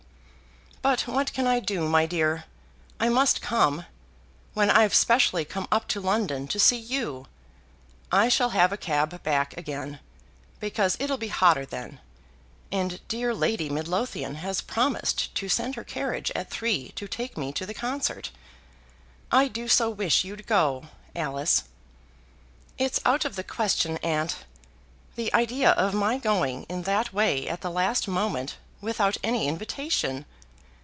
"But what can I do, my dear? I must come, when I've specially come up to London to see you. I shall have a cab back again, because it'll be hotter then, and dear Lady Midlothian has promised to send her carriage at three to take me to the concert. I do so wish you'd go, Alice." "It's out of the question, aunt. The idea of my going in that way at the last moment, without any invitation!"